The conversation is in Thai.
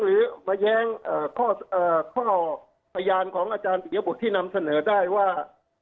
หรือมาแย้งข้อพยานของอาจารย์ปียบุตรที่นำเสนอได้ว่า